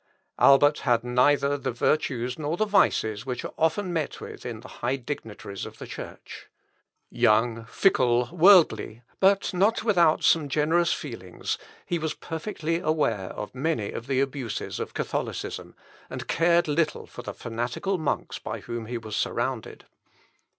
Albert had neither the virtues nor the vices which are often met with in the high dignitaries of the church. Young, fickle, worldly, but not without some generous feelings, he was perfectly aware of many of the abuses of Catholicism, and cared little for the fanatical monks by whom he was surrounded.